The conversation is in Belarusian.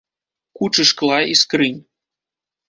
Кучы шкла і скрынь.